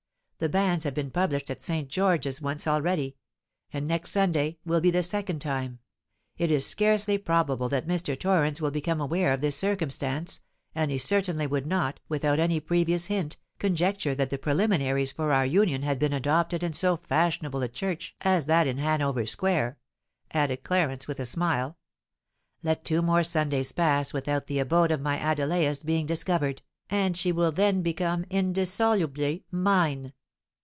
"The banns have been published at St. George's once already—and next Sunday will be the second time! It is scarcely probable that Mr. Torrens will become aware of this circumstance; and he certainly would not, without any previous hint, conjecture that the preliminaries for our union had been adopted in so fashionable a church as that in Hanover Square," added Clarence, with a smile. "Let two more Sundays pass without the abode of my Adelais being discovered, and she will then become indissolubly mine!"